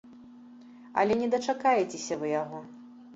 Але не дачакаецеся вы яго.